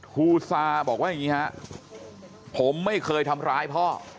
ครูซาบอกว่าอย่างนี้ฮะผมไม่เคยทำร้ายพ่อ